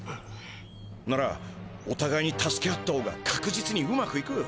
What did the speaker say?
ならおたがいに助け合った方がかくじつにうまくいく。